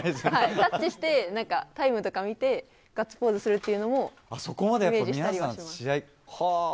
タッチして、タイムとか見てガッツポーズするというのもイメージしたりします。